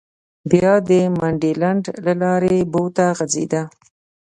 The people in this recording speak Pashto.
بیا د منډلنډ له لارې بو ته غځېده.